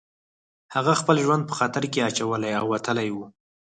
هغه خپل ژوند په خطر کې اچولی او وتلی و